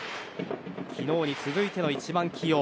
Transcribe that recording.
昨日に続いての１番起用。